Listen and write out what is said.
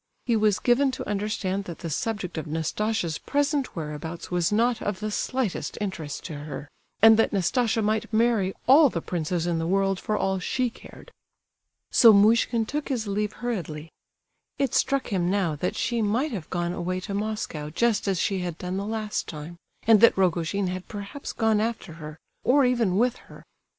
He was given to understand that the subject of Nastasia's present whereabouts was not of the slightest interest to her; and that Nastasia might marry all the princes in the world for all she cared! So Muishkin took his leave hurriedly. It struck him now that she might have gone away to Moscow just as she had done the last time, and that Rogojin had perhaps gone after her, or even with her.